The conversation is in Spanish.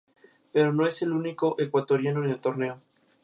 Una vieja torre derruida se encuentra localizada en el extremo sur de Horse Isle.